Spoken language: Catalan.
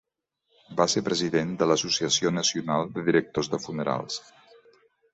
Va ser president de l'Associació Nacional de Directors de Funerals.